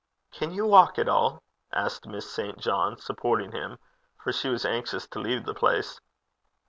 'Can you walk at all?' asked Miss St. John, supporting him, for she was anxious to leave the place.